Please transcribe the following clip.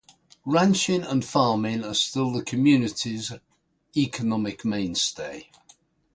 Ranching and farming are still the community's economic mainstay.